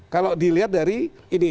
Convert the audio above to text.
kalau dilihat dari ini